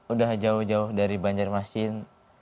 udah jauh jauh dari banjarmasin